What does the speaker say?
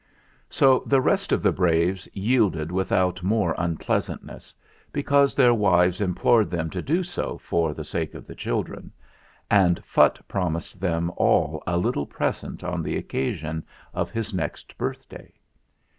So the rest of the braves yielded without more unpleasantness, because their wives im plored them to do so for the sake of the chil dren, and Phutt promised them all a little present on the occasion of his next birthday.